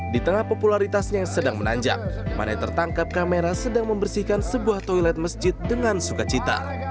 di tengah popularitasnya yang sedang menanjak mane tertangkap kamera sedang membersihkan sebuah toilet masjid dengan suka cita